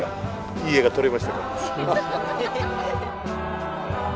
いい絵が撮れましたか。